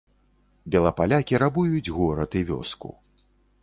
Белапалякі рабуюць горад і вёску.